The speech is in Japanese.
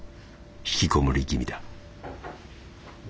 引きこもり気味だ」。